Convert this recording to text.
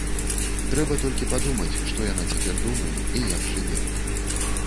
Трэба толькі падумаць, што яна цяпер думае і як жыве.